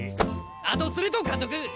あとそれと監督。